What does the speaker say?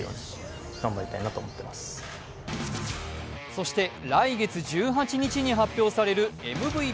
そして、来月１８日に発表されるＭＶＰ。